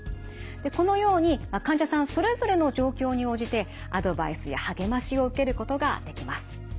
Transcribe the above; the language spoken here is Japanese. でこのように患者さんそれぞれの状況に応じてアドバイスや励ましを受けることができます。